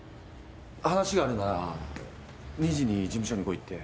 話があるなら２時に事務所に来いって。